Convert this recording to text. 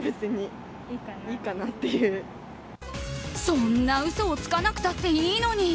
そんな嘘をつかなくたっていいのに。